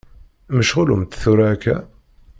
Mecɣulemt tura akka?